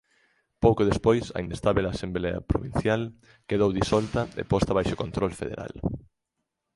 Pouco despois a inestábel asemblea provincial quedou disolta e posta baixo control federal.